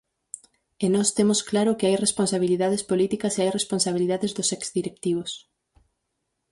E nós temos claro que hai responsabilidades políticas e hai responsabilidades dos ex-directivos.